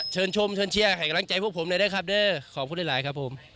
เชิญชมเชิญเชี่ยแข่งกำลังใจพวกผมด้วยได้ครับเนี่ยขอบคุณหลายครับผม